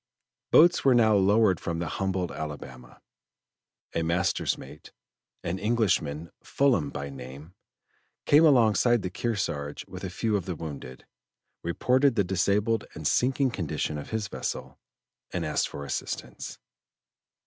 Boats were now lowered from the humbled Alabama. A master's mate, an Englishman, Fullam by name, came alongside the Kearsarge with a few of the wounded, reported the disabled and sinking condition of his vessel, and asked for assistance.